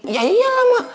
ya iyalah mak